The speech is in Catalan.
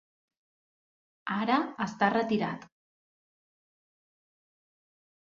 Ara està retirat.